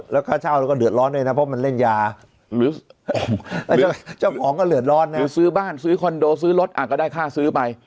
แล้วค่าเช่าเราก็เหลือดร้อนด้วยนะเพราะมันเล่นยาหรือซื้อบ้านซื้อคอนโดซื้อรถอ่ะก็ได้ค่าซื้อไป